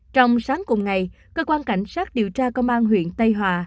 trong sáng cùng ngày cơ quan cảnh sát điều tra công an huyện tây hòa